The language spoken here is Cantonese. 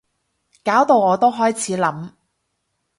搞到我都開始諗